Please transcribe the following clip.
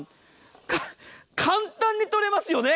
簡単に取れますよね。